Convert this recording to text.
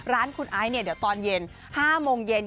ร้านคุณอายเดี๋ยวตอนเย็น๕โมงเย็น